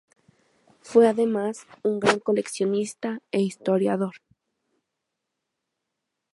Fue además un gran coleccionista e historiador.